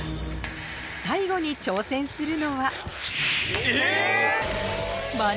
最後に挑戦するのはえ！